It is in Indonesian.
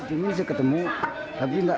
ini saya ketemu tapi tidak